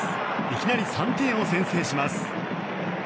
いきなり３点を先制します。